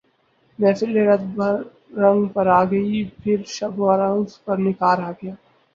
محفل درد پھر رنگ پر آ گئی پھر شب آرزو پر نکھار آ گیا